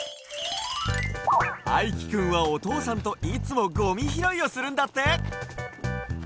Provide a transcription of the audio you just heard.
あいきくんはおとうさんといつもゴミひろいをするんだって。